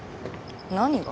何が？